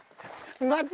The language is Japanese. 待って！